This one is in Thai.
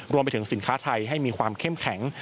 รวมไปถึงสินค้าไทยให้มีความเข้มแข็ง